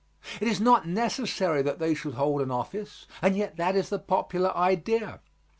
It is not necessary that they should hold an office, and yet that is the popular idea.